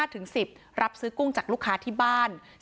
๑๐รับซื้อกุ้งจากลูกค้าที่บ้าน